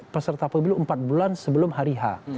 peserta pemilu empat bulan sebelum hari h